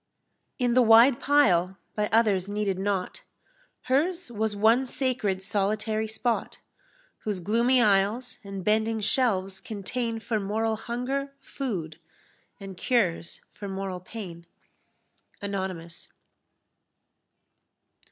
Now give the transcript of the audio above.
In the wide pile, by others heeded not, Hers was one sacred solitary spot, Whose gloomy aisles and bending shelves contain For moral hunger food, and cures for moral pain. Anonymous.